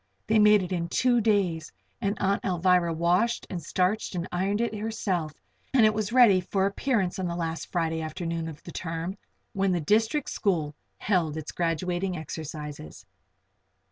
They made it in two days and Aunt Alvirah washed and starched and ironed it herself and it was ready for appearance on the last Friday afternoon of the term, when the district school held its graduating exercises.